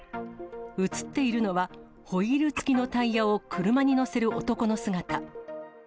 写っているのは、ホイールつきのタイヤを車に載せる男の姿。